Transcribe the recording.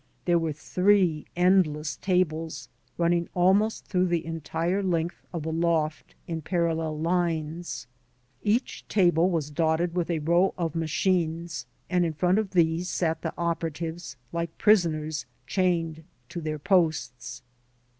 There were three endless tables running almost through the entire length of the loft in parallel lines. Each table was dotted with a row of machines, and in front of these sat the operatives like prisoners chained to their posts.